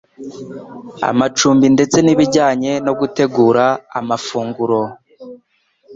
amacumbi ndetse n'ibijyanye no gutegura amafunguro.